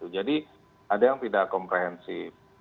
jadi ada yang tidak komprehensif